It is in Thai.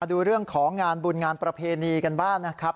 ดูเรื่องของงานบุญงานประเพณีกันบ้างนะครับ